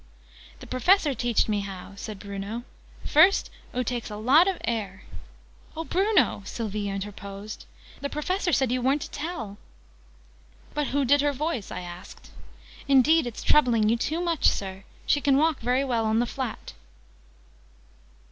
"The Professor teached me how," said Bruno. "First oo takes a lot of air " "Oh, Bruno!" Sylvie interposed. "The Professor said you weren't to tell!" "But who did her voice?" I asked. "Indeed it's troubling you too much, Sir! She can walk very well on the flat."